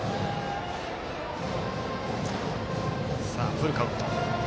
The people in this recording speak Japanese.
フルカウント。